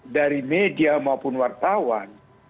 dari media maupun wartawan